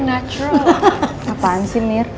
apaan sih mir